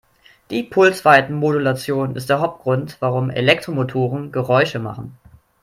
Die Pulsweitenmodulation ist der Hauptgrund, warum Elektromotoren Geräusche machen.